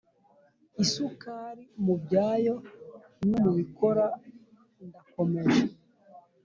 Isukari mubyayo no mubikora ndakomeje